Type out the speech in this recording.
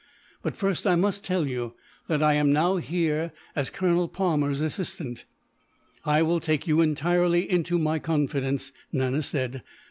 But first, I must tell you that I am now here as Colonel Palmer's assistant." "I will take you entirely into my confidence," Nana said.